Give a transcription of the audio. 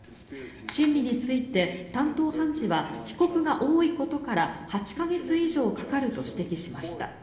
審理について担当判事は被告が多いことから８か月以上かかると指摘しました。